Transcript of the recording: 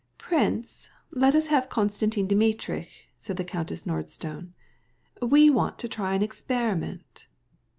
"Prince, let us have Konstantin Dmitrievitch," said Countess Nordston; "we want to try an experiment."